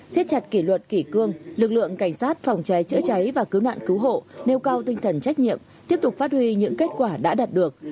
xét chặt kỷ luật kỷ cương lực lượng cảnh sát phòng cháy chữa cháy và cứu nạn cứu hộ nêu cao tinh thần trách nhiệm tiếp tục phát huy những kết quả đã đạt được